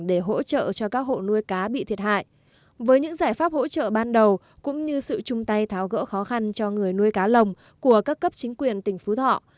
để hỗ trợ cho các hộ nuôi cá bị thiệt hại với những giải pháp hỗ trợ ban đầu cũng như sự chung tay tháo gỡ khó khăn cho người nuôi cá lồng của các cấp chính quyền tỉnh phú thọ